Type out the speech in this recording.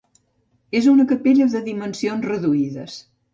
És una capella de dimensions reduïdes.